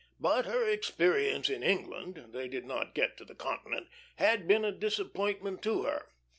But her experience in England they did not get to the Continent had been a disappointment to her.